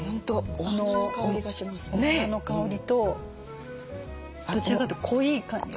お花の香りとどちらかというと濃い感じが。